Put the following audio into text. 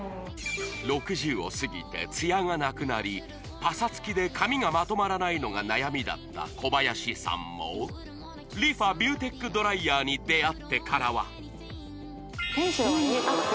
６０をすぎてツヤがなくなりパサつきで髪がまとまらないのが悩みだった小林さんもＲｅＦａビューテックドライヤーに出会ってからは・天使の輪が見えてます